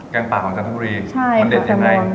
งปากของจันทบุรีมันเด็ดยังไง